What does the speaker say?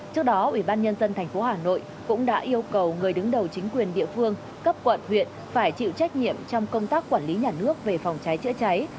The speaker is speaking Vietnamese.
trước đó ủy ban nhân dân tp hà nội cũng đã yêu cầu người đứng đầu chính quyền địa phương cấp quản huyện phải chịu trách nhiệm trong công tác quản lý nhà nước về phòng cháy chữa cháy